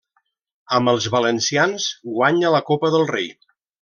Amb els valencians guanya la Copa del Rei.